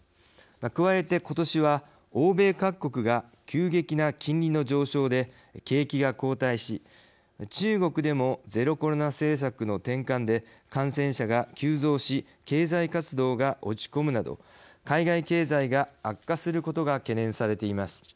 加えて、今年は欧米各国が急激な金利の上昇で景気が後退し中国でもゼロコロナ政策の転換で感染者が急増し経済活動が落ち込むなど海外経済が悪化することが懸念されています。